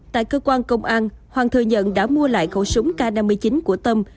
tại cơ quan công an hoàng thừa nhận đã mua lại khẩu súng k năm mươi chín của tâm